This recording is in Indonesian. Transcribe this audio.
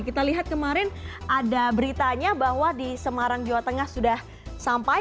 kita lihat kemarin ada beritanya bahwa di semarang jawa tengah sudah sampai